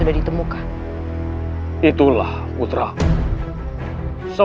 ayah anda tidak melepaskannya